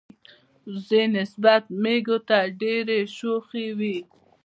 وزې نسبت مېږو ته ډیری شوخی وی.